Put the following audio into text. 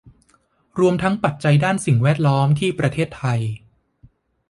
รวมทั้งปัจจัยด้านสิ่งแวดล้อมที่ประเทศไทย